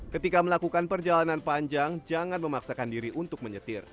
ketika melakukan perjalanan panjang jangan memaksakan diri untuk menyetir